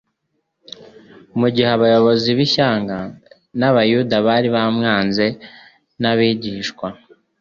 Mu gihe abayobozi b'ishyanga ry'abayuda bari bamwanze n'abigishwa